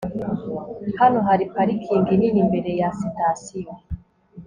hano hari parikingi nini imbere ya sitasiyo